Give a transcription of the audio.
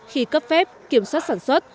khi cấp phép kiểm soát sản xuất